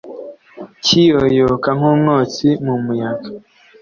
kiyoyoka nk’umwotsi mu muyaga,